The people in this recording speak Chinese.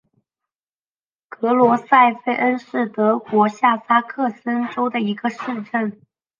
格罗塞费恩是德国下萨克森州的一个市镇。